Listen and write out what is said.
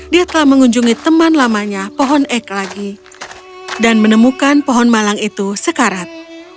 dia telah mengunjungi teman lamanya pohon ek lagi dan menemukan pohon malang itu sekarat